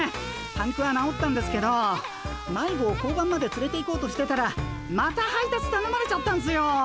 パンクは直ったんですけど迷子を交番までつれていこうとしてたらまた配達たのまれちゃったんすよ。